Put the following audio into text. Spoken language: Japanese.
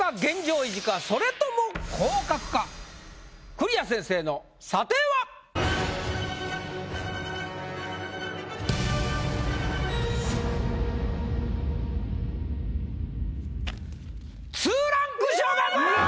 それとも栗屋先生の査定は⁉２ランク昇格！